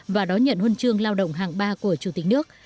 và đó nhận huân chương lao động hàng ba của chủ tịch nước